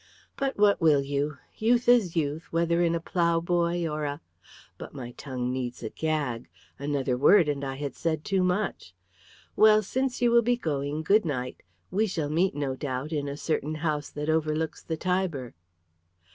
But what will you? Youth is youth, whether in a ploughboy or a But my tongue needs a gag. Another word, and I had said too much. Well, since you will be going, good night. We shall meet, no doubt, in a certain house that overlooks the Tiber."